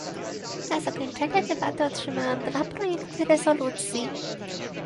Na zakończenie debaty otrzymałam dwa projekty rezolucji